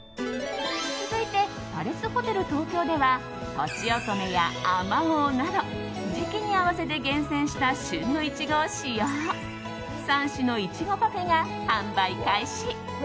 続いて、パレスホテル東京ではとちおとめや、あまおうなど時期に合わせて厳選した旬のイチゴを使用３種の苺パフェが販売開始。